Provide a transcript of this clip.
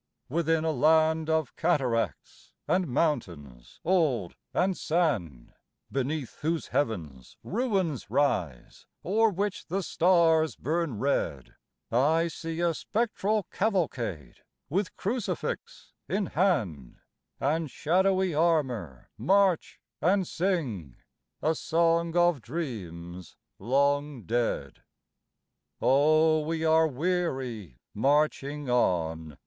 II. Within a land of cataracts and mountains old and sand, Beneath whose heavens ruins rise, o'er which the stars burn red, I see a spectral cavalcade with crucifix in hand And shadowy armor march and sing, a song of dreams long dead: "Oh, we are weary marching on!